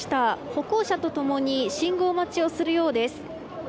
歩行者とともに信号待ちをするようです。